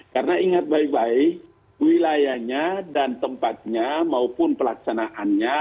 karena ingat baik baik wilayahnya dan tempatnya maupun pelaksanaannya